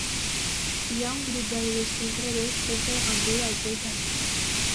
Hi ha un grup d'adolescents rebels fent el gandul al teu jardí.